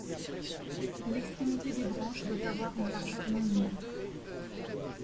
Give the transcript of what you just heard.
L'extrémité des branches doit avoir une largeur non nulle.